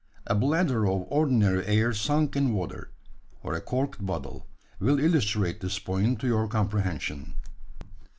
A bladder of ordinary air sunk in water, or a corked bottle, will illustrate this point to your comprehension."